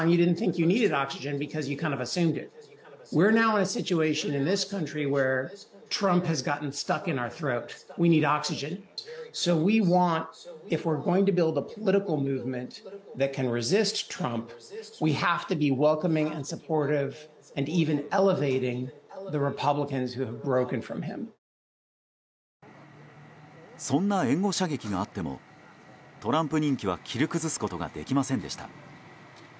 そんな援護射撃があってもトランプ人気は切り崩すことができませんでした。